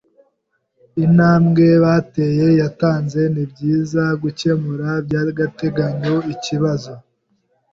Intambwe bateye yatanze nibyiza gukemura by'agateganyo ikibazo